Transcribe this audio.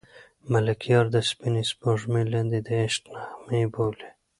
ملکیار د سپینې سپوږمۍ لاندې د عشق نغمې بولي.